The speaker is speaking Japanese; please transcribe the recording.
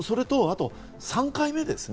あと３回目ですね。